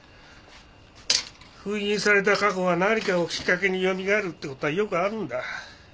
封印された過去が何かをきっかけによみがえるってことはよくあるんだ。